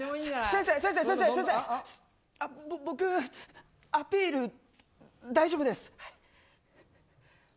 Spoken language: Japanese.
先生、僕アピール大丈夫です。